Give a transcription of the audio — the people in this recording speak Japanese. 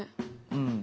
うん。